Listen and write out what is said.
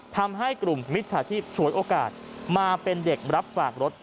ทำให้กลุ่มมิจฉาชีพฉวยโอกาสมาเป็นเด็กรับฝากรถ